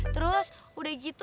terus udah gitu